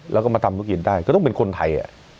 แล้วก็มาทำธุรกิจได้ก็ต้องเป็นคนไทย